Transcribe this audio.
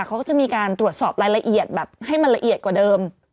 เขาก็จะมีการตรวจสอบรายละเอียดแบบให้มันละเอียดกว่าเดิม